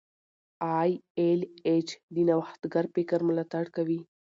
ای ایل ایچ د نوښتګر فکر ملاتړ کوي.